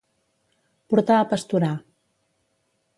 Portar a pasturar.